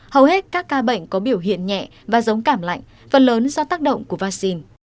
hầu hết các ca bệnh có biểu hiện nhẹ và giống cảm lạnh phần lớn do tác động của vaccine